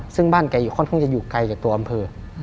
ซึ่งบ้านแกอยู่ค่อนข้างจะอยู่ไกลจากตัวอำเภอ